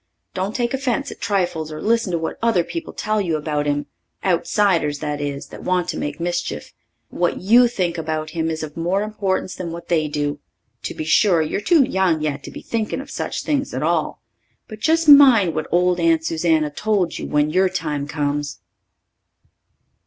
Don't take offence at trifles or listen to what other people tell you about him outsiders, that is, that want to make mischief. What you think about him is of more importance than what they do. To be sure, you're too young yet to be thinking of such things at all. But just mind what old Aunt Susanna told you when your time comes.